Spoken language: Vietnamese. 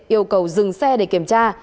yêu cầu dừng xe để kiểm tra